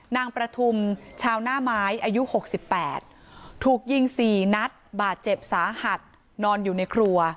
นางประทุมชาวหน้าไม้อายุ๖๘ถูกยิง๔นัดบาดเจ็บสาหัสนอนอยู่ในครัว